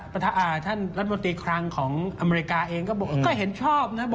ประทานท่านรัฐบาลตีครังของอเมริกาเองก็บอกก็เห็นชอบนะ